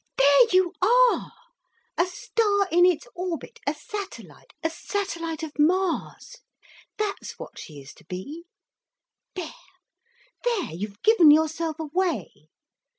"There you are—a star in its orbit! A satellite—a satellite of Mars—that's what she is to be! There—there—you've given yourself away!